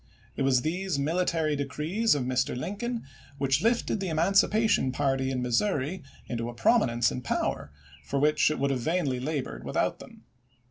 It was these military decrees of Mr. Lincoln which lifted the emancipation party in Missouri into a prominence and power for which it would vainly have labored without them.